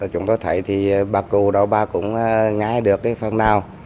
chúng tôi thấy bà cụ đó bà cũng ngại được phần nào